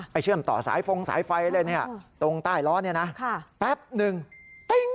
เชื่อมต่อสายฟงสายไฟอะไรเนี่ยตรงใต้ล้อเนี่ยนะแป๊บหนึ่งติ้ง